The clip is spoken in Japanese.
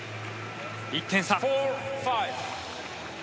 １点差。